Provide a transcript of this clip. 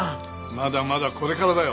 まだまだこれからだよ